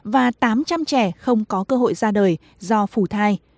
và tám trăm linh trẻ không có cơ hội ra đời do phủ thai